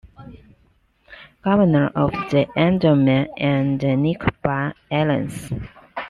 Governor of the Andaman and Nicobar Islands.